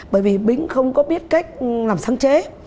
bởi vì bính không có biết cách làm sáng chế